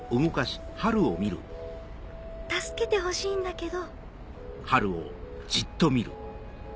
助けてほしいんだけど。